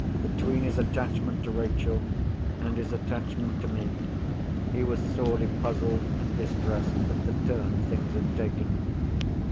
Between his attachment to Rachel, and his attachment to me, he was sorely puzzled and distressed at the turn things had taken.